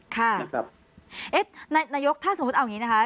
ค่ะนายกถ้าสมมุติเอาอย่างนี้นะคะ